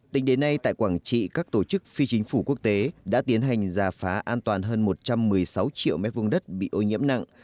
tính đến nay tại quảng trị các tổ chức phi chính phủ quốc tế đã tiến hành giả phá an toàn hơn một trăm một mươi sáu triệu m hai đất bị ô nhiễm nặng